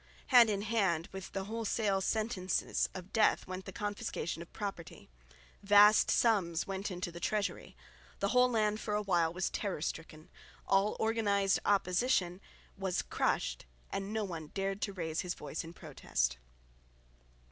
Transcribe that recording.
Hand in hand with the wholesale sentences of death went the confiscation of property. Vast sums went into the treasury. The whole land for awhile was terror stricken. All organised opposition was crushed, and no one dared to raise his voice in protest.